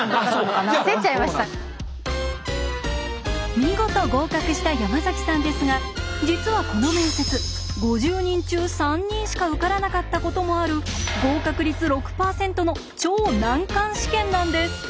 見事合格した山崎さんですが実はこの面接５０人中３人しか受からなかったこともある合格率６％の超難関試験なんです。